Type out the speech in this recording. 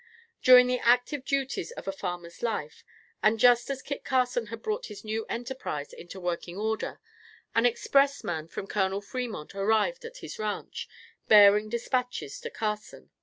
During the active duties of a farmer's life, and just as Kit Carson had brought his new enterprise into working order, an expressman from Col. Fremont arrived at his ranche, bearing dispatches to Carson.